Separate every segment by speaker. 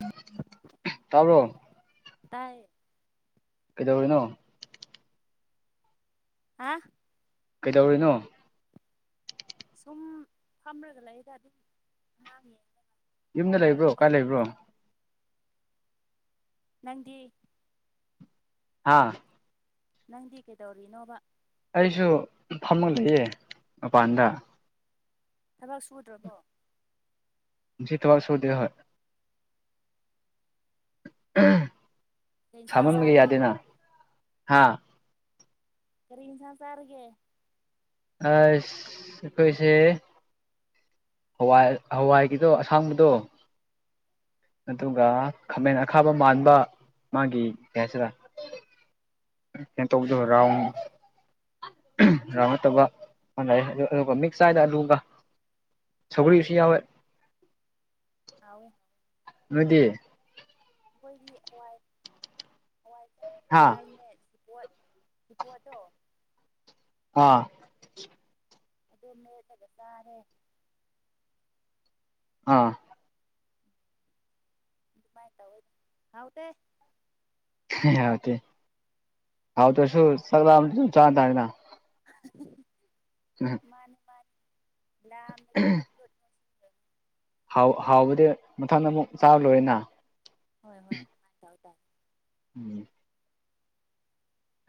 Speaker 1: [unintelligible] ꯇꯥꯕ꯭ꯔꯣ
Speaker 2: ꯇꯥꯏ
Speaker 1: ꯀꯩꯗꯧꯔꯤꯅꯣ
Speaker 2: ꯍꯥ
Speaker 1: ꯀꯩꯗꯧꯔꯤꯅꯣ
Speaker 2: ꯁꯨꯝ ꯐꯝꯔꯒ ꯂꯩꯗ ꯑꯗꯨꯝ ꯑꯉꯥꯡ [unintelligible]
Speaker 1: ꯌꯨꯝꯗ ꯂꯩꯕ꯭ꯔꯣ ꯀꯥꯏ ꯂꯩꯕ꯭ꯔꯣ
Speaker 2: ꯅꯪꯗꯤ
Speaker 1: ꯍꯥꯥ
Speaker 2: ꯅꯪꯗꯤ ꯀꯩꯗꯧꯔꯤꯅꯣꯕ
Speaker 1: ꯑꯩꯖꯨ ꯐꯝꯃꯒ ꯂꯩꯌꯦ ꯃꯄꯥꯟꯗ
Speaker 2: ꯊꯕꯛ ꯁꯨꯗ꯭ꯔꯕꯣ
Speaker 1: ꯉꯁꯤ ꯊꯕꯛ ꯁꯨꯗꯦ ꯍꯣꯏ [unintelligible]
Speaker 2: ꯀꯩ ꯏꯟꯁꯥꯡ
Speaker 1: ꯁꯥꯃꯟꯕꯒꯤ
Speaker 2: ꯆꯥꯔꯒꯦ
Speaker 1: ꯌꯥꯗꯦꯅ ꯍꯥ
Speaker 2: ꯀꯔꯤ ꯏꯟꯁꯥꯡ ꯆꯥꯔꯒꯦ
Speaker 1: ꯑꯥꯏꯁ ꯑꯩꯈꯣꯏꯁꯦ ꯍꯋꯥꯏ ꯍꯋꯥꯏꯒꯤꯗꯣ ꯑꯁꯥꯡꯕꯗꯣ ꯑꯗꯨꯒ ꯈꯥꯃꯦꯟ ꯑꯈꯥꯕ ꯃꯥꯟꯕ ꯃꯥꯒꯤ ꯀꯩ ꯍꯥꯏꯁꯤꯔ [unintelligible] ꯔꯥꯎꯟ
Speaker 2: ꯍꯥꯎꯅꯦ
Speaker 1: ꯔꯥꯎꯟ ꯅꯠꯇꯕ ꯑꯃ ꯂꯩꯌꯦ ꯑꯗꯨꯒ ꯃꯤꯛꯁ ꯆꯥꯏꯗ ꯑꯂꯨꯒ ꯁꯧꯒ꯭ꯔꯤ ꯁꯨ ꯌꯥꯎꯋꯦ
Speaker 2: ꯍꯥꯎꯋꯦ
Speaker 1: ꯅꯣꯏꯗꯤ
Speaker 2: ꯑꯩꯈꯣꯏꯗꯤ ꯍꯋꯥꯏ ꯍꯋꯥꯏ
Speaker 1: ꯍꯥ
Speaker 2: ꯍꯋꯥꯏꯅꯦ ꯄꯣꯠ ꯁꯦꯕꫭꯠꯇꫭ
Speaker 1: ꯑꯥ
Speaker 2: ꯑꯗꯨ ꯃꯦꯠꯂꯒ ꯆꯥꯔꯦ
Speaker 1: ꯑꯥ
Speaker 2: ꯃꯥꯏ ꯇꯧꯋꯤ ꯍꯥꯎꯇꯦ
Speaker 1: [unintelligible] ꯍꯥꯎꯇꯦ ꯍꯥꯎꯇꯁꯨ ꯆꯥꯛ ꯂꯥꯝꯃꯗꯤ ꯆꯥꯇꯥꯔꯦꯅ
Speaker 2: [unintelligible]
Speaker 1: [unintelligible]
Speaker 2: ꯃꯥꯅꯤ ꯃꯥꯅꯤ ꯂꯥꯝꯃꯗꯤꯀꯣ
Speaker 1: ꯍꯥꯎ ꯍꯥꯎꯕꯗꯤ ꯃꯊꯪꯗ ꯃꯨꯛ ꯆꯥꯔꯒ ꯂꯣꯏꯔꯦꯅ
Speaker 2: ꯍꯣꯏ ꯍꯣꯏ ꯃꯥꯏ ꯇꯧ ꯇꯥꯏ
Speaker 1: ꯎꯝ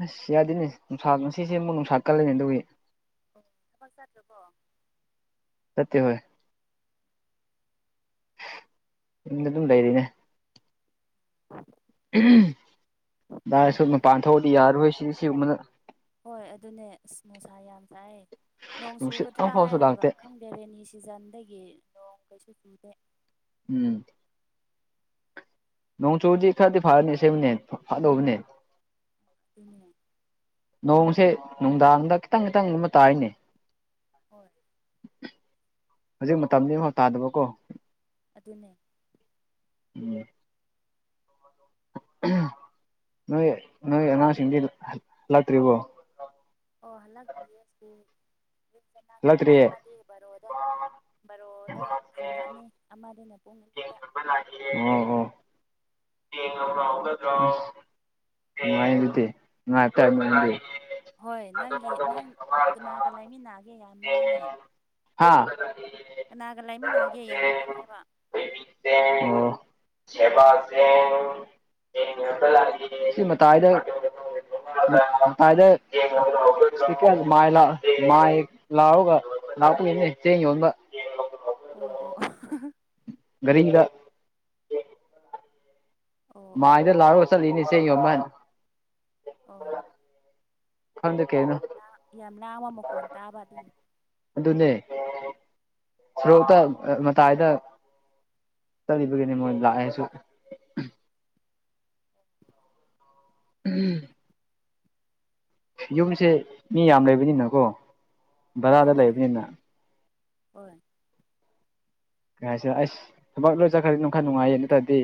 Speaker 1: ꯑꯁ ꯌꯥꯗꯦꯅꯦ ꯅꯨꯡꯁꯥ ꯉꯁꯤꯁꯦ ꯃꯨꯛ ꯅꯨꯡꯁꯥ ꯀꯜꯂꯦꯅꯦ ꯑꯗꯨꯒꯤ
Speaker 2: [unintelligible] ꯊꯕꯛ ꯆꯠꯇ꯭ꯔꯕꫭ
Speaker 1: ꯆꯠꯇꯦ ꯍꯣꯏ ꯌꯨꯝꯗ ꯑꯗꯨꯝ ꯂꯩꯔꯤꯅꯦ [unintelligible] ꯗꯥꯏꯁꯨ ꯃꯄꯥꯟ ꯊꯣꯛꯑꯗꯤ ꯌꯥꯔꯔꯣꯏ ꯁꯤ ꯁꯤꯒꯨꯝꯕꯅ
Speaker 2: ꯍꯣꯏ ꯑꯗꯨꯅꯦ ꯑꯁ ꯅꯨꯡꯁꯥ ꯌꯥꯝ ꯁꯥꯏ ꯅꯣꯡ
Speaker 1: ꯅꯨꯡꯁꯤꯠ
Speaker 2: ꯆꯨꯒꯗ꯭ꯔ
Speaker 1: ꯑꯃꯐꯥꯎꯁꯨ
Speaker 2: ꯍꯥꯏꯔꯒ
Speaker 1: ꯂꯥꯛꯇꯦ
Speaker 2: ꯈꯪ ꯕꯦꯔꯦꯟꯅꯤ ꯁꯤꯖꯟꯗꯒꯤ ꯅꯣꯡ ꯀꯩꯁꯨ ꯆꯨꯗꯦ
Speaker 1: ꯎꯝ ꯅꯣꯡꯆꯨꯗꯤ ꯈꯔꯗꯤ ꯐꯔꯅꯤ ꯑꯁꯦꯡꯕꯅꯦ ꯐꯥꯗꯧꯕꯅꯦ
Speaker 2: ꯑꯗꯨꯅꯤ
Speaker 1: ꯅꯣꯡꯁꯦ ꯅꯨꯡꯗꯥꯡꯗ ꯈꯤꯇꯪ ꯈꯤꯇꯪꯒꯨꯝꯕ ꯇꯥꯏꯅꯦ
Speaker 2: ꯍꯣꯏ
Speaker 1: ꯍꯧꯖꯤꯛ ꯃꯇꯝꯗꯤꯅꯤ ꯐꯥꯎ ꯇꯥꯗꯕꯀꯣ
Speaker 2: ꯑꯗꯨꯅꯦ
Speaker 1: ꯎꯝ ꯅꯣꯏ ꯅꯣꯏ ꯑꯉꯥꯡꯖꯤꯡꯗꯤ ꯍꯜꯂꯛꯇ꯭ꯔꯤꯕꯣ
Speaker 2: ꯑꯣꯍꯜꯂꯇ꯭ꯔꯤꯌꯦꯁꯤ
Speaker 1: ꯍꯜꯂꯛꯇ꯭ꯔꯤꯌꯦ
Speaker 2: ꯕꯦ ꯕꯔꯣꯗ ꯕꯔꯣꯗ ꯍꯜꯂꯛꯑꯅꯤ ꯑꯃꯗꯨꯅ ꯄꯨꯡ ꯑꯅꯤꯗ
Speaker 1: ꯑꯣ ꯑꯣ [unintelligible] ꯇꯥꯏ ꯅꯪꯗꯤ
Speaker 2: ꯍꯣꯏ ꯅꯪꯒꯤ ꯅꯪ ꯀꯅꯥꯒ ꯂꯩꯃꯤꯟꯅꯒꯦ ꯌꯥꯝ ꯂꯥꯡꯉꯦ
Speaker 1: ꯍꯥꯥ
Speaker 2: ꯀꯅꯥꯒ ꯂꯩꯃꯤꯟꯅꯒꯦ ꯌꯥꯝ ꯂꯥꯡꯉꯦꯕ
Speaker 1: ꯆꯦꯡ ꯑꯣ ꯁꯦꯕ ꯆꯦꯡ ꯆꯦꯡ ꯌꯣꯟꯕ ꯂꯛꯏꯌꯦ ꯁꯤ ꯃꯇꯥꯏꯗ [unintelligible] ꯂꯥꯎꯒ ꯂꯥꯛꯄꯒꯤꯅꯦ ꯆꯦꯡ ꯌꯣꯟꯕ [unintelligible]
Speaker 2: ꯑꯣ ꯑꯣ ꯑꯍꯥꯍꯥ
Speaker 1: ꯒꯥꯔꯤꯗ
Speaker 2: ꯑꯣ ꯑꯣ
Speaker 1: ꯃꯥꯏꯗ ꯂꯥꯎꯔꯒ ꯆꯠꯂꯤꯅꯤ ꯆꯦꯡ ꯌꯣꯟꯕ ꯍꯥꯏꯅ
Speaker 2: ꯑꯣ
Speaker 1: ꯈꯪꯗꯦ ꯀꯩꯅꯣ
Speaker 2: ꯌꯥꯝ ꯂꯥꯡꯕ ꯃꯈꯣꯟ ꯇꯥꯕ ꯑꯗꯨꯏ
Speaker 1: ꯑꯗꯨꯅꯦ ꯁꯣꯔꯣꯛꯇ ꯃꯇꯥꯏꯗ ꯆꯠꯂꯤꯕꯒꯤꯅꯦ ꯃꯣꯏ ꯂꯥꯛꯑꯦꯁꯨ ꯎꯝ ꯌꯨꯝꯁꯦ ꯃꯤ ꯌꯥꯝ ꯂꯩꯕꯅꯤꯅꯀꯣ ꯚꯔꯥꯗ
Speaker 2: ꯑꯗꯨꯅꯦ
Speaker 1: ꯂꯩꯕꯅꯤꯅ
Speaker 2: ꯍꯣꯏ
Speaker 1: ꯀꯔꯤ ꯍꯥꯏꯁꯤꯔ ꯑꯁ ꯊꯕꯛ ꯂꯣꯏ ꯆꯠꯈ꯭ꯔꯗꯤ ꯅꯨꯡ ꯈꯔ ꯅꯨꯡꯉꯥꯏꯌꯦ ꯅꯠꯇ꯭ꯔꯗꯤ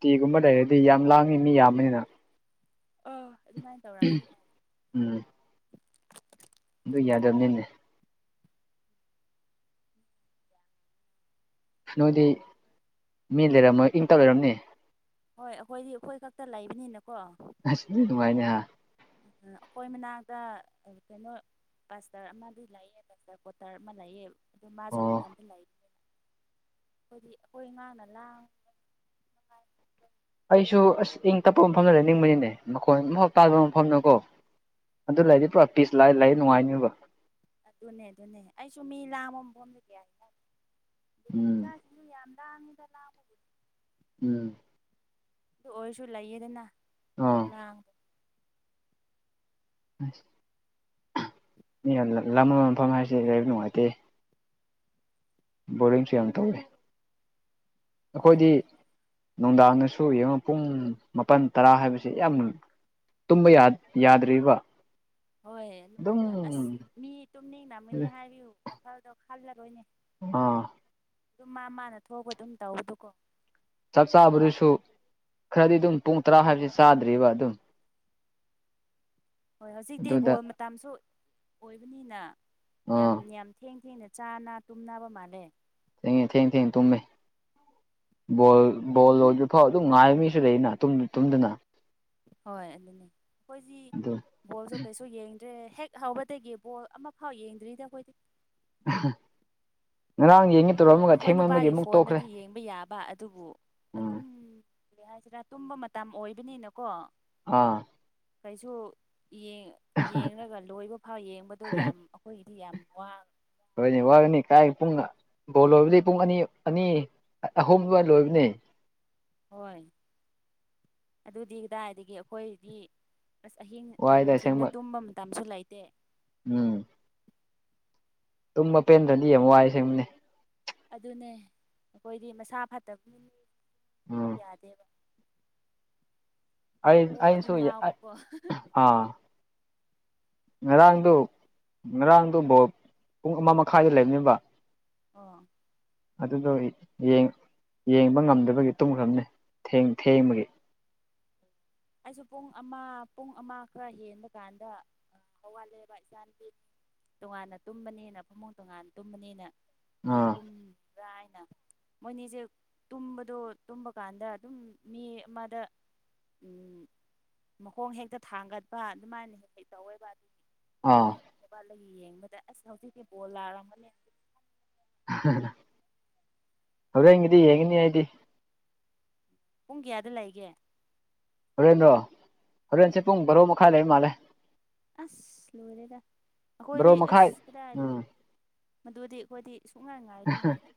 Speaker 1: ꯇꯤꯒꯨꯝꯕ ꯂꯩꯔꯗꯤ ꯌꯥꯝ ꯂꯥꯡꯉꯤ ꯃꯤ ꯌꯥꯝꯕꯅꯤꯅ
Speaker 2: ꯑꯣ ꯑꯗꯨꯃꯥꯏꯟ ꯇꯧꯔꯝꯃꯣ
Speaker 1: ꯎꯝ ꯑꯗꯨ ꯌꯥꯗꯕꯅꯤꯅꯦ ꯅꯣꯏꯗꯤ ꯃꯤ ꯂꯩꯔꯝꯃꯣꯏ ꯏꯪꯇꯞ ꯂꯩꯔꯝꯅꯤ
Speaker 2: ꯍꯣꯏ ꯑꯈꯣꯏꯗꯤ ꯑꯈꯣꯏ ꯈꯛꯇ ꯂꯩꯕꯅꯤꯅꯀꯣ
Speaker 1: ꯑꯁꯤꯗꯤ ꯅꯨꯡꯉꯥꯏꯅꯦꯍꯥ
Speaker 2: ꯎꯝ ꯑꯈꯣꯏ ꯃꯅꯥꯛꯇ ꯀꯩꯅꯣ ꯕꯁꯇꯔ ꯑꯃꯗꯤ ꯂꯩꯌꯦ ꯕꯁꯇꯔ ꯀꯣꯇꯔ ꯑꯃ ꯂꯩꯌꯦ ꯑꯗꯣ
Speaker 1: ꯑꯣ
Speaker 2: ꯃꯥꯁꯨꯃꯊꯟꯇ ꯂꯩꯕꯅꯦ ꯑꯈꯣꯏꯗꯤ ꯑꯈꯣꯏ ꯑꯉꯥꯡꯅ ꯂꯥꯡ
Speaker 1: ꯑꯩꯁꯨ ꯑꯁ ꯏꯪ ꯇꯞꯄ ꯃꯐꯝꯗ ꯂꯩꯅꯤꯡꯕꯅꯤꯅꯦ ꯃꯈꯣꯟ ꯑꯃꯐꯥꯎ ꯇꯥꯗꯕ ꯃꯐꯝꯗꯀꯣ ꯑꯗꯨ ꯂꯩꯔꯗꯤ ꯄꯨ꯭ꯔꯥ ꯄꯤꯁ ꯂꯥꯏ ꯂꯩ ꯅꯨꯡꯉꯥꯏꯅꯤꯕ
Speaker 2: ꯑꯗꯨꯅꯦ ꯑꯗꯨꯅꯦ ꯑꯩꯁꯨ ꯃꯤ ꯂꯥꯡꯕ ꯃꯐꯝꯗ [unintelligible]
Speaker 1: ꯎꯝ
Speaker 2: ꯑꯗꯨ ꯌꯥꯝ ꯂꯥꯡꯉꯤꯗ ꯂꯥꯡꯕ
Speaker 1: ꯎꯝ
Speaker 2: ꯑꯗꯨ ꯑꯣꯏꯔꯁꯨ ꯂꯩꯌꯦꯗꯅ
Speaker 1: ꯑꯥ
Speaker 2: ꯈꯨꯂꯥꯡꯗ‌ꯣ
Speaker 1: ꯑꯁ ꯃꯤ ꯌꯥꯜ ꯂ ꯂꯥꯡꯕ ꯃꯐꯝ ꯍꯥꯏꯁꯦ ꯂꯩꯕ ꯅꯨꯡꯉꯥꯏꯇꯦ ꯕꯣꯔꯤꯡꯁꯨ ꯌꯥꯝ ꯇꯧꯋꯦ
Speaker 2: ꯍꯣꯏ
Speaker 1: ꯑꯈꯣꯏꯗꯤ
Speaker 2: ꯑꯗꯨꯃꯥꯏꯅ
Speaker 1: ꯅꯨꯡꯗꯥꯡꯗꯁꯨ ꯌꯦꯡꯉꯣ ꯄꯨꯡ ꯃꯥꯄꯟ ꯇꯔꯥ ꯍꯥꯏꯕꯁꯤ ꯌꯥꯝ ꯇꯨꯝꯕ ꯌꯥꯠ ꯌꯥꯗ꯭ꯔꯤꯕ
Speaker 2: ꯍꯣꯏ ꯑꯗꯨꯃꯥꯏꯅ ꯑꯁ
Speaker 1: ꯑꯗꯨꯝ
Speaker 2: ꯃꯤ ꯇꯨꯝꯅꯤꯡꯔꯝꯒꯅꯤ ꯍꯥꯏꯕꯩ ꯋꯥꯈꯜꯗꯣ ꯈꯜꯂꯔꯣꯏꯅꯦ
Speaker 1: ꯑꯥ
Speaker 2: ꯑꯗꯨꯝ ꯃꯥ ꯃꯥꯅ ꯊꯣꯛꯄ ꯑꯗꯨꯝ ꯇꯧꯕꯗ‌ꯣ ꯀꯣ
Speaker 1: ꯆꯥꯛ ꯆꯥꯕꯗꯨꯁꯨ ꯈꯔꯗꯤ ꯑꯗꯨꯝ ꯄꯨꯡ ꯇꯔꯥ ꯍꯥꯏꯕꯁꯤ ꯆꯥꯗ꯭ꯔꯤꯕ ꯑꯗꯨꯝ
Speaker 2: ꯍꯣꯏ ꯍꯧꯖꯤꯛꯇꯤ
Speaker 1: ꯑꯗꯨꯗ
Speaker 2: ꯕꯣꯜ ꯃꯇꯝꯁꯨ ꯑꯣꯏꯕꯅꯤꯅ ꯌꯥꯝ
Speaker 1: ꯑꯥ
Speaker 2: ꯌꯥꯝ ꯊꯦꯡ ꯊꯦꯡꯅ ꯆꯥꯅꯥ ꯇꯨꯝꯅꯕ ꯃꯥꯜꯂꯦ
Speaker 1: ꯊꯦꯡꯉ‌ꯦ ꯊꯦꯡ ꯊꯦꯡ ꯇꯨꯝꯃꯦ ꯕꯣꯜ ꯕꯣꯜ ꯂ‌ꯣꯏꯗ꯭ꯔꯤꯐꯥꯎ ꯑꯗꯨꯝ ꯉꯥꯏꯕ ꯃꯤꯁꯨ ꯂꯩꯅꯥ ꯇꯨꯝ ꯇꯨꯝꯗꯅ
Speaker 2: ꯍꯣꯏ ꯑꯗꯨꯅꯦ ꯈꯣꯏꯖꯤ
Speaker 1: ꯑꯗꯨ
Speaker 2: ꯕꯣꯜꯁꯨ ꯀꯩꯁꯨ ꯌꯦꯡꯗ꯭ꯔꯦ ꯍꯦꯛ ꯍꯧꯕꯗꯒꯤ ꯕꯣꯜ ꯑꯃ ꯐꯥꯎ ꯌꯦꯡꯗ꯭ꯔꯤꯗ ꯑꯈꯣꯏꯗꯤ
Speaker 1: ꯑ
Speaker 2: ꯑꯗꯨꯝ ꯑꯈꯣꯏ ꯅꯨꯄꯥꯒꯤ
Speaker 1: ꯑꯃꯨꯛ ꯇꯣꯛꯈ꯭ꯔꯦ
Speaker 2: ꯐꯣꯟꯗꯗꯤ ꯌꯦꯡꯕ ꯌꯥꯕ ꯑꯗꯨꯕꯨ
Speaker 1: ꯎꯝ
Speaker 2: ꯑꯗꯨꯝ ꯀꯔꯤ ꯍꯥꯏꯁꯤꯔꯥ ꯇꯨꯝꯕ ꯃꯇꯝ ꯑꯣꯏꯕꯅꯤꯅꯀꯣ
Speaker 1: ꯑꯥ
Speaker 2: ꯀꯩꯁꯨ ꯌꯦꯡ ꯌ‌ꯦꯡꯔꯒ ꯂꯣꯏꯕ ꯐꯥꯎ ꯌꯦꯡꯕꯗꯣ ꯌꯥꯝ ꯑꯈꯣꯏꯒꯤꯗꯤ ꯌꯥꯝ ꯋꯥꯡ
Speaker 1: ꯍꯣꯏꯅ‌ꯦ ꯋꯥꯒꯅꯤ ꯀꯥꯏ ꯄꯨꯡ ꯕꯣꯜ ꯂꯣꯏꯕꯗꯤ ꯄꯨꯡ ꯑꯅꯤ ꯑꯅꯤ ꯑꯍꯨꯝ ꯑꯗꯨꯋꯥꯏ ꯂꯣꯏꯕꯅꯦ
Speaker 2: ꯍꯣꯏ ꯑꯗꯨꯗꯤ ꯀꯗꯥꯏꯗꯒꯤ ꯑꯈꯣꯏꯗꯤ ꯑꯁ ꯑꯍꯤꯡ ꯑ
Speaker 1: ꯋꯥꯏꯗ
Speaker 2: ꯅꯨꯡꯊꯤꯟꯗ
Speaker 1: ꯑꯁꯦꯡꯕ
Speaker 2: ꯇꯨꯝꯕ ꯃꯇꯝꯁꯨ ꯂꯩꯇꯦ
Speaker 1: ꯎꯝ ꯇꯨꯝꯕ ꯄꯦꯟꯗ꯭ꯔꯗꯤ ꯌꯥꯝ ꯋꯥꯏ ꯁꯦꯡꯕꯅꯦ
Speaker 2: ꯑꯗꯨꯅꯦ ꯑꯈꯣꯏꯗꯤ ꯃꯁꯥ ꯐꯠꯇꯕ ꯃꯤ
Speaker 1: ꯎꯝ
Speaker 2: [inaudible] ꯌꯥꯗꯦꯕ
Speaker 1: ꯑꯩ
Speaker 2: ꯑꯣ
Speaker 1: ꯑꯩꯁꯨ
Speaker 2: ꯑꯗꯨꯝ ꯉꯥꯎꯕꯀꯣ
Speaker 1: ꯑꯥ
Speaker 2: ꯌꯥꯗꯦ
Speaker 1: ꯉꯔꯥꯡꯗꯨ
Speaker 2: ꯍꯣꯏ
Speaker 1: ꯉꯔꯥꯡꯗꯨ ꯕꯣꯜ ꯄꯨꯡ ꯑꯃ ꯃꯈꯥꯏꯗ ꯂꯩꯕꯅꯦꯕ
Speaker 2: ꯑꯣ
Speaker 1: ꯑꯗꯨꯗꯣ ꯌ‌ꯦꯡ ꯌꯦꯡꯕ ꯉꯝꯗꯕꯒꯤ ꯇꯨꯝꯈ꯭ꯔꯝꯅꯤ ꯊ‌ꯦꯡ ꯊꯦꯡꯕꯒꯤ
Speaker 2: ꯑꯩꯁꯨ ꯄꯨꯡ ꯑꯃ ꯄꯨꯡ ꯑꯃ ꯈꯔ ꯍꯦꯟꯕ ꯀꯥꯟꯗ ꯑꯥ ꯍꯧꯒꯠꯂꯦꯕ ꯏꯆꯥ ꯅꯨꯄꯤ ꯇꯣꯉꯥꯟꯅ ꯇꯨꯝꯕꯅꯤꯅ ꯐꯃꯨꯡ ꯇꯣꯉꯥꯟꯅ ꯇꯨꯝꯕꯅꯤꯅ ꯀꯃꯥꯏꯟ
Speaker 1: ꯑꯥ
Speaker 2: ꯇꯨꯝ ꯔꯥꯏꯅ ꯃꯣꯏꯅꯤꯁꯦ ꯇꯨꯝꯕꯗꯣ ꯇꯨꯝꯕ ꯀꯥꯟꯗ ꯑꯗꯨꯝ ꯃꯤ ꯑꯃꯗ ꯎꯝ ꯃꯈꯣꯡ ꯍꯦꯛꯇ ꯊꯥꯡꯒꯠꯄ ꯑꯗꯨꯃꯥꯏꯅ ꯍꯦꯛ ꯍꯦꯛ ꯇꯧꯋꯦꯕ
Speaker 1: ꯑꯥ
Speaker 2: ꯑꯗꯣ [unintelligible] ꯌꯦꯡꯕꯗ ꯑꯁ ꯍꯧꯖꯤꯛꯇꯤ ꯕꯣꯜ ꯂꯥꯎꯔꯝꯒꯅꯤ
Speaker 1: ꯍꯣꯔꯦꯟꯒꯤꯗꯤ ꯌꯦꯡꯒꯅꯤ ꯑꯩꯗꯤ
Speaker 2: ꯄꯨꯡ ꯀꯌꯥꯗ ꯂꯩꯒꯦ
Speaker 1: ꯍꯣꯔꯦꯟꯔꯣ ꯍꯣꯔꯦꯟꯁꯦ ꯄꯨꯡ ꯕꯥꯔꯣ ꯃꯈꯥꯏ ꯂꯩꯕ ꯃꯥꯜꯂꯦ
Speaker 2: ꯑꯁ ꯂꯣꯏꯔꯦꯗ
Speaker 1: ꯕꯥꯔꯣ
Speaker 2: ꯑꯈꯣꯏꯗꯤ
Speaker 1: ꯃꯈꯥꯏ
Speaker 2: ꯑꯁ ꯀꯗꯥꯏꯗꯒꯤ
Speaker 1: ꯎꯝ
Speaker 2: ꯃꯗꯨꯗꯤ ꯑꯈꯣꯏꯗꯤ ꯁꯨꯨꯡ ꯉꯥꯏ ꯉꯥꯏꯕ ꯉꯝꯗꯦ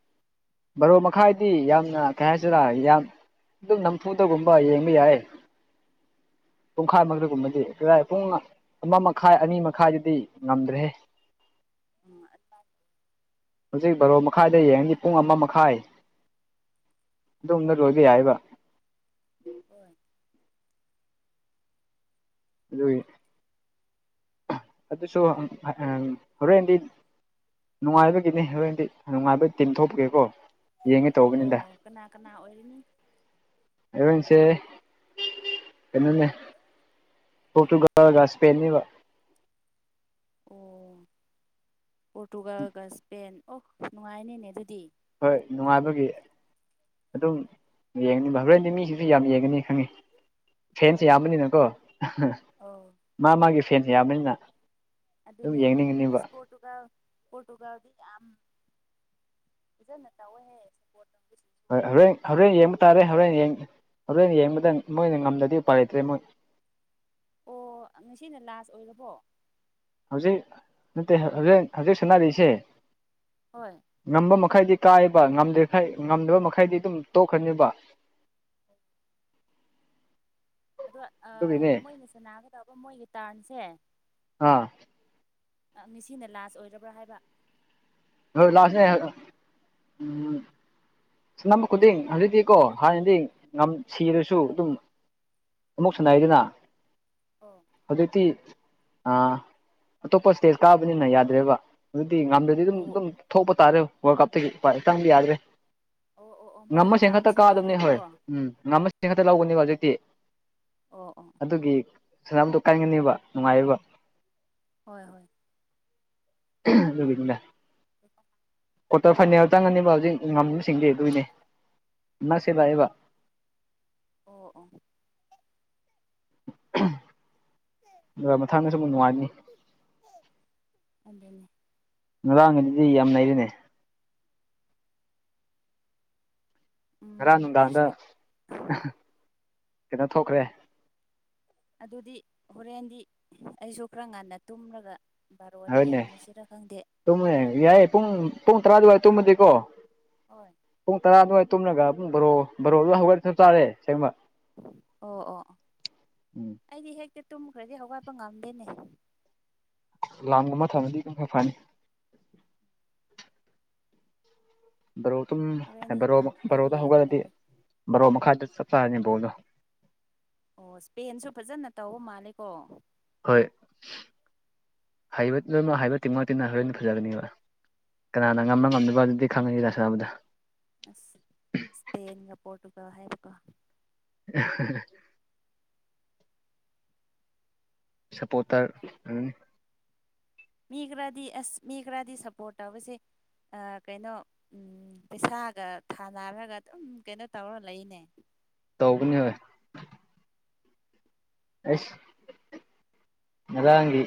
Speaker 1: ꯕꯥꯔꯣ ꯃꯈꯥꯏꯗꯤ ꯌꯥꯝꯅ ꯀꯩ ꯍꯥꯏꯗꯣꯔ ꯌꯥꯝ ꯑꯗꯨꯝ ꯅꯝꯐꯨꯗꯒꯨꯝꯕ ꯌꯦꯡꯕ ꯌꯥꯏ ꯄꯨꯡꯈꯥꯏꯃꯛꯇꯒꯨꯝꯕꯗꯤ ꯀꯗꯥꯥꯏ ꯄꯨꯡ ꯑꯃ ꯃꯈꯥꯏ ꯑꯅꯤ ꯃꯈꯥꯏꯗꯨꯗꯤ ꯉꯝꯗ꯭ꯔꯦꯍꯦ
Speaker 2: ꯎꯝ
Speaker 1: ꯍꯧꯖꯤꯛ ꯕꯔꯣ ꯃꯈꯥꯏꯗꯩ ꯌꯦꯡꯉꯗꯤ ꯄꯨꯡ ꯑꯃ ꯃꯈꯥꯏ ꯑꯗꯨꯒꯨꯝꯕꯗ ꯂꯣꯏꯕ ꯌꯥꯏꯌꯦꯕ
Speaker 2: ꯍꯣꯏ
Speaker 1: ꯑꯗꯨꯏ ꯑꯗꯨꯁꯨꯔꯣ ꯍꯣꯔꯦꯟꯗꯤ ꯅꯨꯡꯉꯥꯏꯕꯒꯤꯅꯦ ꯍꯣꯔꯦꯟꯗꯤ ꯅꯨꯡꯉꯥꯏꯕ ꯇꯤꯝ ꯊꯣꯛꯄꯒꯤꯀꯣ ꯌꯦꯡꯒꯦ ꯇꯧꯕꯅꯤꯗ
Speaker 2: ꯑꯣ ꯀꯅꯥ ꯀꯅꯥ ꯑꯣꯏꯔꯅꯤ
Speaker 1: ꯍꯧꯔꯦꯟꯁꯦ ꯀꯩꯅꯣꯅꯦ ꯄꯣꯔꯇꯨꯒꯜꯒ ꯁꯄꯦꯅꯤꯕ [unintelligible]
Speaker 2: ꯑꯣ ꯄꯣꯔꯇꯨꯒꯜꯒ ꯁ꯭ꯄꯦꯟ ꯑꯣ ꯅꯨꯡꯉꯥꯏꯅꯤꯅꯦ ꯑꯗꯨꯗꯤ
Speaker 1: ꯍꯣꯏ ꯅꯨꯡꯉꯥꯏꯕꯒꯤ ꯑꯗꯨꯝ ꯌꯦꯡꯉꯅꯤꯕ ꯍꯣꯔꯦꯟꯗꯤ ꯃꯤꯁꯤꯁꯨ ꯌꯥꯝ ꯌꯦꯡꯒꯅꯤ ꯈꯪꯉꯦ ꯐꯦꯟꯁ
Speaker 2: ꯍꯣꯏ
Speaker 1: ꯌꯥꯝꯕꯅꯤꯅꯀꯣ
Speaker 2: ꯑꯧ
Speaker 1: ꯃꯥ ꯃꯥꯒꯤ ꯐꯦꯟꯁ ꯌꯥꯝꯕꯅꯤꯅ ꯑꯗꯨꯝ
Speaker 2: ꯑꯗꯨꯅꯦ ꯑꯗꯨꯅꯦ
Speaker 1: ꯌꯦꯡꯅꯤꯡꯒꯅꯤꯕ
Speaker 2: ꯏꯁ ꯄꯣꯔꯇꯨꯒꯜ ꯄꯣꯔꯇꯨꯒꯜꯗꯤ ꯌꯥꯝ ꯐꯖꯅ ꯇꯧꯋꯦꯍꯦ ꯁꯄꯣꯔꯠꯇꯤ
Speaker 1: ꯍꯣꯏ ꯍꯣꯔꯦꯟ ꯍꯣꯔꯦꯟ ꯌꯦꯡꯕ ꯇꯥꯔꯦ ꯍꯣꯔꯦꯟ ꯌꯦꯡꯁꯦ ꯍꯣꯔꯦꯟ ꯌꯦꯡꯕꯗ ꯃꯣꯏꯅ ꯉꯝꯗꯔꯗꯤ ꯎꯄꯥꯏ ꯂꯩꯇ꯭ꯔꯦ ꯃꯣꯏ
Speaker 2: ꯑꯣ ꯉꯁꯤꯅ ꯂꯥꯁ ꯑꯣꯏꯔꯕꯣ
Speaker 1: ꯍꯧꯖꯤꯛ ꯅꯠꯇꯦ ꯍꯧꯖꯤꯛ ꯍꯧꯖꯤꯛ ꯁꯥꯟꯅꯔꯤꯁꯦ
Speaker 2: ꯍꯣꯏ
Speaker 1: ꯉꯝꯕ ꯃꯈꯩꯗꯤ ꯀꯥꯏꯕ ꯉꯝꯗ꯭ꯔꯤꯈꯩ ꯉꯝꯗꯕ ꯃꯈꯩꯗꯤ ꯑꯗꯨꯝ ꯇꯣꯛꯈ꯭ꯔꯅꯤꯕ
Speaker 2: ꯑꯗꯣ ꯑ
Speaker 1: ꯑꯗꯨꯒꯤꯅꯦ
Speaker 2: ꯃꯣꯏꯅ ꯁꯥꯟꯅꯒꯗꯕ ꯃꯣꯏꯒꯤ ꯇ꯭ꯔꯟꯁꯦ
Speaker 1: ꯑꯥ
Speaker 2: ꯉꯁꯤꯅ ꯂꯥꯁ ꯑꯣꯏꯔꯕ꯭ꯔꯥ ꯍꯥꯏꯕ
Speaker 1: ꯍꯣꯏ ꯂꯥꯁꯅꯦ ꯎꯝ ꯁꯥꯟꯅꯕ ꯈꯨꯗꯤꯡ ꯍꯧꯖꯤꯛꯇꯤꯀꯣ ꯍꯥꯟꯅꯗꯤ ꯁꯤꯔꯁꯨ ꯑꯗꯨꯝ ꯑꯃꯨꯛ ꯁꯥꯟꯅꯩ ꯗꯅ
Speaker 2: ꯑꯣ
Speaker 1: ꯍꯧꯖꯤꯛꯇꯤ ꯑ ꯑꯇꯣꯞꯄ ꯏꯁꯇꯦꯖ ꯀꯥꯕꯅꯤꯅ ꯌꯥꯗ꯭ꯔꯦꯕ ꯑꯗꯨꯗꯤ ꯉꯝꯗꯔ ꯑꯗꯨꯗꯤ ꯗꯨꯝ
Speaker 2: ꯑꯣ
Speaker 1: ꯑꯗꯨꯝ ꯊꯣꯛꯄ ꯇꯥꯔꯦ ꯋꯥꯔꯜ ꯀꯞꯇꯒꯤ ꯆꯪꯕ ꯌꯥꯗ꯭ꯔꯦ
Speaker 2: ꯑꯣ ꯑꯣ ꯑꯣ ꯃꯣꯏꯒꯤ
Speaker 1: ꯉꯝꯕꯁꯤꯡ ꯈꯛꯇ
Speaker 2: ꯇꯥꯔꯝꯁꯦ
Speaker 1: ꯀꯥꯗꯕꯅꯤ ꯍꯣꯏ
Speaker 2: ꯂꯣꯏꯔꯦꯕꯀꯣ
Speaker 1: ꯎꯝ ꯉꯝꯃꯁꯤꯡ ꯈꯛꯇ ꯂꯧꯒꯅꯤꯕ ꯍꯧꯖꯤꯛꯇꯤ
Speaker 2: ꯑꯣ ꯑꯣ
Speaker 1: ꯑꯗꯨꯒꯤ ꯁꯥꯟꯅꯕꯗꯣ ꯀꯟꯒꯅꯤꯕ ꯅꯨꯡꯉꯥꯏ ꯌꯦꯕ
Speaker 2: ꯍꯣꯏ ꯍꯣꯏ
Speaker 1: ꯑꯗꯨꯒꯤꯅꯤꯗ
Speaker 2: [unintelligible]
Speaker 1: ꯀ꯭ꯋꯥꯇꯔ ꯐꯥꯏꯅꯦꯜ ꯆꯪꯉꯅꯤꯕ ꯍꯧꯖꯤꯛ ꯉꯝꯕꯁꯤꯡꯗꯤ ꯑꯗꯨꯒꯤꯅꯦ ꯅꯛꯁꯤꯜ ꯂꯛꯏꯕ
Speaker 2: ꯑꯣ ꯑꯣ
Speaker 1: ꯎꯍꯝ ꯑꯗꯨꯒ ꯃꯊꯪꯗꯁꯨ ꯑꯃꯨꯛ ꯅꯨꯡꯉꯥꯏꯅꯤ
Speaker 2: ꯑꯗꯨꯅꯦ
Speaker 1: ꯉꯔꯥꯡꯒꯤ ꯗꯨꯗꯤ ꯌꯥꯝ ꯅꯩꯔꯦ ꯅꯦ ꯉꯔꯥꯡ
Speaker 2: ꯎꯝ
Speaker 1: ꯅꯨꯡꯗꯥꯡꯗ
Speaker 2: ꯑꯩꯁꯨ
Speaker 1: ꯀꯩꯅꯣ ꯊꯣꯛꯈ꯭ꯔꯦ
Speaker 2: ꯑꯗꯨꯗꯤ ꯍꯣꯔꯦꯟꯗꯤ ꯑꯩꯁꯨ ꯈꯔ ꯉꯟꯅ ꯇꯨꯝꯔꯒ ꯕꯥꯔꯣꯗ ꯌꯦꯡꯉꯁꯤꯔ ꯈꯪꯗꯦ ꯄꯣꯇꯨꯒꯜ
Speaker 1: ꯍꯦ ꯄꯨꯡ ꯄꯨꯡ ꯇꯔꯥ ꯑꯗꯨꯋꯥꯏ ꯇꯨꯝꯃꯗꯤꯀꯣ
Speaker 2: ꯑꯣꯏ
Speaker 1: ꯄꯨꯡ ꯇꯔꯥ ꯑꯗꯨꯋꯥꯥꯏ ꯇꯨꯝꯔꯒ ꯄꯨꯡ ꯕꯥꯔꯣ ꯕꯥꯔꯣꯗ ꯍꯧꯒꯠ ꯆꯞ ꯆꯥꯔꯦ ꯁꯦꯡꯕ
Speaker 2: ꯑꯣ ꯑꯣ ꯑꯣ
Speaker 1: ꯎꯝ
Speaker 2: ꯑꯩꯗꯤ ꯍꯦꯛꯇ ꯇꯨꯝꯈ꯭ꯔꯗꯤ ꯍꯧꯒꯠꯄ ꯉꯝꯗꯦꯅꯦ
Speaker 1: ꯑꯦꯂꯥꯝꯒꯨꯝꯕ ꯊꯝꯃꯗꯤ ꯄꯨꯡꯐꯥ ꯐꯥꯅꯤ ꯕꯥꯔꯣꯇꯨꯝ ꯑꯦ
Speaker 2: ꯍꯣꯔꯦꯟꯗꯤ
Speaker 1: ꯕꯔꯣ ꯃꯛ
Speaker 2: ꯅꯝꯐꯨꯗ
Speaker 1: ꯕꯔꯣꯗ
Speaker 2: ꯌꯦꯡꯕ
Speaker 1: ꯍꯧꯒꯠꯂꯗꯤ
Speaker 2: ꯇꯥꯔꯦ
Speaker 1: ꯕꯔꯣ ꯃꯈꯥꯏꯗ ꯆꯞ ꯆꯥꯔꯅꯤ ꯕꯣꯜꯗꯣ
Speaker 2: ꯑꯣ ꯏꯁꯄꯦꯟꯁꯨ ꯐꯖꯅ ꯇꯧꯕ ꯃꯥꯜꯂꯦꯀꯣ
Speaker 1: ꯍꯣꯏ ꯍꯩꯕ ꯇꯤꯝ ꯍꯩꯕ ꯇꯤꯝ ꯉꯥꯛꯇꯅꯤꯅ ꯍꯣꯔꯦꯟꯗꯤ ꯐꯖꯒꯅꯤꯕ ꯀꯅꯥꯅ ꯉꯝꯃ ꯉꯝꯗꯕꯗꯨꯗꯤ ꯈꯪꯉꯅꯤꯅꯥ ꯁꯥꯅꯕꯗ
Speaker 2: ꯑꯁ ꯏꯁꯄꯦꯟꯒ ꯄꯣꯔꯇꯨꯒ ꯍꯥꯏꯕꯀꯣ
Speaker 1: ꯁꯞꯄꯣꯇꯔ ꯎꯝ
Speaker 2: ꯃꯤ ꯈꯔꯗꯤ ꯑꯁ ꯃꯤ ꯈꯔꯗꯤ ꯁꯞꯄꯣꯔꯠ ꯇꯧꯕꯁꯦ ꯑꯥ ꯀꯩꯅꯣ ꯎꯝ ꯄꯩꯁꯥꯒ ꯊꯥꯅꯔꯒ ꯑꯗꯨꯝ ꯀꯩꯅꯣ ꯇꯧꯔ ꯂꯩꯅꯦ
Speaker 1: ꯇꯧꯕꯅꯦ ꯑꯩꯁ ꯉꯔꯥꯡꯒꯤ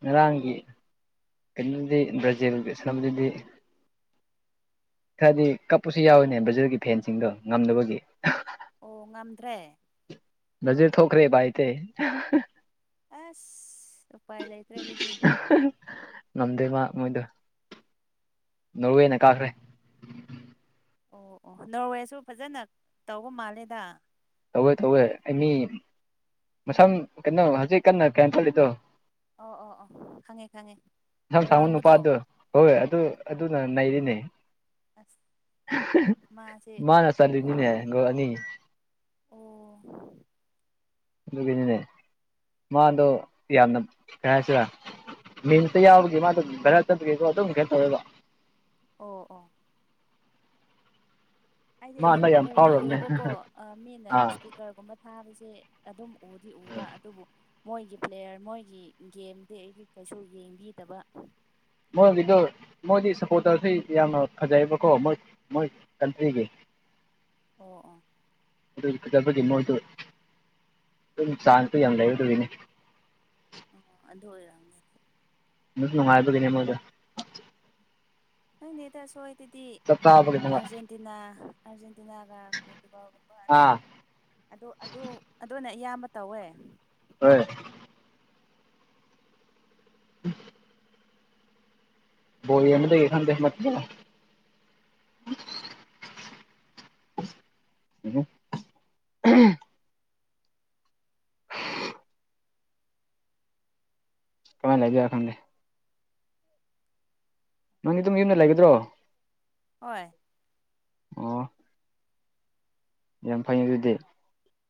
Speaker 1: ꯉꯔꯥꯡꯒꯤ ꯀꯩꯅꯣꯗꯤ ꯕ꯭ꯔꯥꯖꯤꯜꯒꯤ ꯁꯥꯅꯕꯗꯨꯗꯤ ꯈꯔꯗꯤ ꯀꯞꯄꯁꯨ ꯌꯥꯎꯋꯤꯅꯦ ꯕ꯭ꯔꯖꯤꯜꯒꯤ ꯐꯦꯟꯁꯤꯡꯗꯣ ꯉꯝꯗꯕꯒꯤ
Speaker 2: ꯑꯣ ꯉꯝꯗ꯭ꯔꯦ
Speaker 1: ꯕ꯭ꯔꯥꯖꯤꯜ ꯊꯣꯛꯈ꯭ꯔꯦ ꯎꯄꯥꯏꯇꯦ
Speaker 2: ꯑꯁ ꯎꯄꯥꯏ ꯂꯩꯇ꯭ꯔꯦ ꯑꯗꯨꯗꯤ
Speaker 1: ꯉꯝꯗꯦ ꯃꯥ ꯃꯣꯏꯗꯣ ꯅꯣꯔꯋꯦꯅ ꯀꯥꯈ꯭ꯔꯦ
Speaker 2: ꯑꯣ ꯑꯣ ꯅꯣꯔꯋꯦꯁꯨ ꯐꯖꯅ ꯇꯧꯕ ꯃꯥꯜꯂꯦꯗ
Speaker 1: ꯇꯧꯋꯦ ꯇꯧꯋꯦ ꯑꯩ ꯃꯤ ꯃꯁꯝ ꯀꯩꯅꯣ ꯍꯧꯖꯤꯛ ꯀꯟꯅ ꯀꯩꯅꯣ ꯆꯠꯂꯤꯗꯣ
Speaker 2: ꯑꯣ ꯑꯣ ꯑꯣ ꯈꯪꯉꯦ ꯈꯪꯉꯦ
Speaker 1: ꯃꯁꯝ ꯁꯥꯡꯕ
Speaker 2: ꯋꯥꯡꯕꯗꯣ
Speaker 1: ꯅꯨꯄꯥꯗꯣ ꯍꯣꯏ ꯑꯗꯨ
Speaker 2: ꯑꯣ
Speaker 1: ꯑꯗꯨꯅ ꯅꯩꯔꯤꯅꯦ
Speaker 2: ꯑꯁ ꯃꯥꯁꯦ
Speaker 1: ꯃꯥꯅ__ ꯆꯜꯂꯤꯅꯤꯅꯦ ꯒꯣꯜ ꯑꯅꯤ
Speaker 2: ꯑꯣ
Speaker 1: ꯑꯗꯨꯒꯤꯅꯤꯅꯦ ꯃꯥꯗꯣ ꯌꯥꯝꯅ ꯀꯩ ꯍꯥꯏꯁꯤꯔ ꯃꯤꯝꯁꯇꯥ ꯌꯥꯎꯕꯒꯤ ꯃꯥꯗꯨ ꯚꯥꯏꯔꯦꯜ ꯆꯠꯄꯒꯤꯀꯣ ꯑꯗꯨꯝ ꯀꯩꯅꯣ ꯇꯧꯋꯦꯕ
Speaker 2: ꯑꯣ ꯑꯣ ꯑꯩꯗꯤ
Speaker 1: ꯃꯥ
Speaker 2: ꯑꯗꯨꯝ
Speaker 1: ꯍꯟꯗꯛ ꯌꯥꯝ
Speaker 2: ꯎꯗꯤ
Speaker 1: ꯐꯥꯎꯔꯕꯅꯦ
Speaker 2: ꯎꯕꯀꯣ ꯑꯥ ꯃꯤꯅ
Speaker 1: ꯑꯥ
Speaker 2: ꯏꯁꯇꯤꯛ ꯀꯔꯒꯨꯝꯕ ꯊꯥꯕꯁꯦ ꯑꯗꯨꯝ ꯎꯗꯤ ꯎꯕ ꯑꯗꯨꯕꯨ ꯃꯣꯏꯒꯤ ꯄ꯭ꯂꯦꯌꯔ ꯃꯣꯏꯒꯤ ꯒꯦꯝꯗꯤ ꯑꯩꯗꯤ ꯀꯩꯁꯨ ꯌꯦꯡꯕꯤꯗꯕ
Speaker 1: ꯃꯣꯏꯒꯤꯗꯣ ꯃꯣꯏꯗꯤ ꯁꯞꯄꯣꯔꯠꯇꯔꯁꯤ ꯌꯥꯝꯅ ꯐꯖꯩꯌꯦꯕꯀꯣ ꯃꯣꯏ ꯃꯣꯏ ꯀꯟꯇ꯭ꯔꯤꯒꯤ
Speaker 2: ꯑꯣ ꯑꯣ
Speaker 1: ꯑꯗꯨꯒꯤ ꯐꯖꯕꯒꯤ ꯃꯣꯏꯗꯨ ꯑꯗꯨꯝ ꯆꯥꯟꯁꯇꯣ ꯌꯥꯝ ꯂꯩ ꯑꯗꯨꯒꯤꯅꯤ
Speaker 2: ꯑꯣ ꯑꯗꯨ ꯑꯣꯏꯔꯝ
Speaker 1: ꯑꯗꯨꯁꯨ ꯅꯨꯡꯉꯥꯏꯕꯒꯤꯅꯦ ꯃꯣꯏꯗꯤ
Speaker 2: ꯈꯪꯗꯦꯗ ꯁꯣꯏꯗꯗꯤ
Speaker 1: ꯆꯞ
Speaker 2: ꯎꯝ
Speaker 1: ꯆꯥꯕꯒꯤꯅꯦꯕ
Speaker 2: ꯑꯥꯔꯖꯦꯟꯇꯤꯅꯥ ꯑꯥꯔꯖꯦꯟꯇꯤꯅꯥꯒ ꯄꯣꯔꯇꯨꯒꯜꯒꯨꯝ__
Speaker 1: ꯑꯥ꯫
Speaker 2: ꯑꯗꯣ ꯑꯗꯣ ꯑꯗꯨꯅ ꯑꯌꯥꯝꯕ ꯇꯧꯋꯦ꯫
Speaker 1: ꯍꯣꯏ꯫ [inaudible] ꯕꯣꯜ ꯌꯦꯡꯕꯗꯒꯤ ꯈꯪꯗꯦ [unintelligible] [unintelligible] [unintelligible] ꯀꯃꯥꯏ ꯂꯩꯕ [unintelligible] ꯅꯪꯗꯤ ꯑꯗꯨꯝ ꯌꯨꯝꯗ ꯂꯩꯒꯗ꯭ꯔꯣ꯫
Speaker 2: ꯍꯣꯏ꯫
Speaker 1: ꯑꯣ꯫ ꯌꯥꯝ ꯐꯩ ꯑꯗꯨꯗꯤ꯫